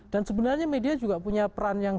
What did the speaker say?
dan sebenarnya media juga punya peran yang